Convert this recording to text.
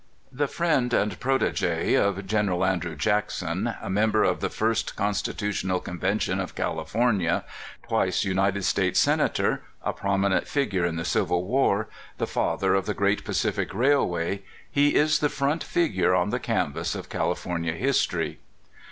* The friend and frotcge of Gen. Andrew Jackson, a member of the first Constitutional Convention of California, twice United States Senator, a prominent figure in the Civil War, the father of the great Pacific Railway, he is the front figure on the canvas of California history.